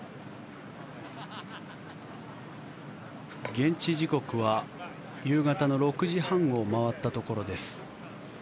現地時刻は夕方の６時半を回ったところです。